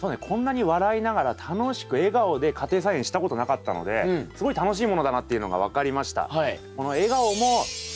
こんなに笑いながら楽しく笑顔で家庭菜園したことなかったのですごい楽しいものだなっていうのが分かりました。